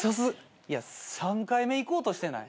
いや３回目行こうとしてない？